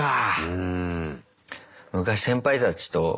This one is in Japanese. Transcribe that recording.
うん。